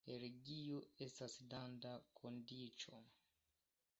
Religio estas randa kondiĉo.